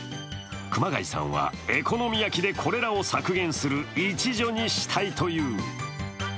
熊谷さんは、エコのみ焼きでこれらを削減する一助にしたいという。